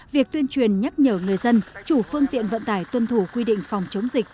việc tuyên truyền nhắc nhở người dân chủ phương tiện vận tải tuân thủ quy định phòng chống dịch